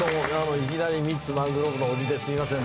いきなりミッツ・マングローブの伯父ですいません。